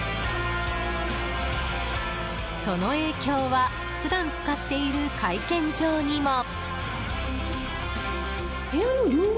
その影響は普段使っている会見場にも。